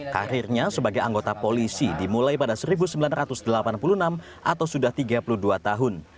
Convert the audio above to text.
karirnya sebagai anggota polisi dimulai pada seribu sembilan ratus delapan puluh enam atau sudah tiga puluh dua tahun